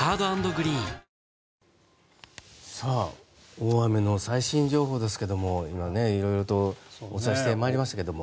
大雨の最新情報ですけど今、色々とお伝えして参りましたけれども。